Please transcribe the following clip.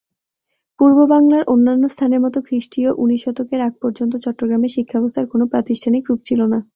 পূর্ববাংলার অন্যান্য স্থানের মতো খ্রিস্টীয় উনিশ শতকের আগ পর্যন্ত চট্টগ্রামের শিক্ষাব্যবস্থার কোন প্রাতিষ্ঠানিক রূপ ছিল না।